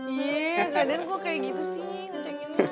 iya kak dean gue kayak gitu sih ngecekin lo